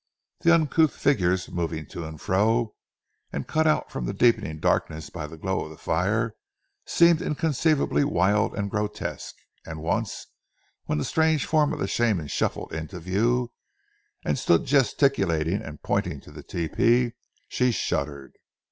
The uncouth figures moving to and fro, and cut out from the deepening darkness by the glow of the fire, seemed inconceivably wild and grotesque, and once, when the strange form of the Shaman shuffled into view, and stood gesticulating and pointing to the tepee, she shuddered.